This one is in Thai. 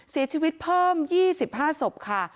เสียชีวิตเพิ่ม๒๕ศพค่ะ